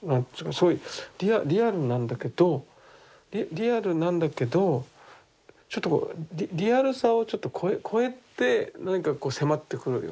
すごいリアルなんだけどリアルなんだけどちょっとこうリアルさをちょっと超えて何かこう迫ってくるような。